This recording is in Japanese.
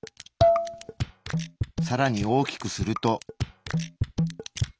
さらに大きくすると。